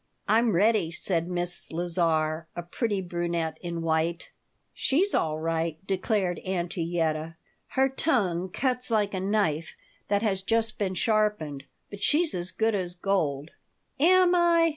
"I'm ready," said Miss Lazar, a pretty brunette in white "She's all right," declared Auntie Yetta. "Her tongue cuts like a knife that has just been sharpened, but she's as good as gold." "Am I?